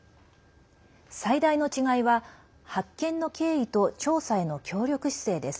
最大の違いは、発見の経緯と調査への協力姿勢です。